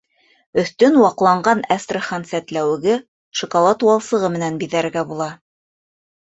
Өҫтөн ваҡланған әстрхан сәтләүеге, шоколад валсығы менән биҙәргә була.